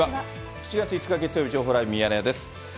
７月５日月曜日、情報ライブミヤネ屋です。